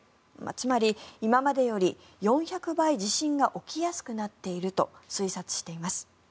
つまり、今までより４００倍地震が起きやすくなっていると推察しています。